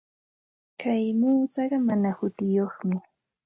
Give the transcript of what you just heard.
Kay muusuqa mana hutiyuqmi.